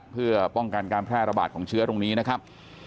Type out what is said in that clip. เพื่อป้องกันการแพร่ระบาดของเชื้อตรงนี้นะครับ